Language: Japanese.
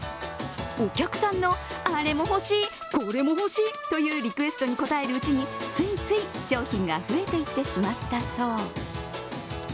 お客さんのあれも欲しいこれも欲しいというリクエストに応えるうちについつい、商品が増えてしまったそう。